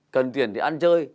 cần tiền để ăn chơi